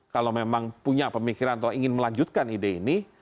kalau memang punya pemikiran atau ingin melanjutkan ide ini